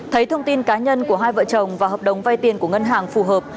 thấy thông tin cá nhân của hai vợ chồng và hợp đồng vay tiền của ngân hàng phù hợp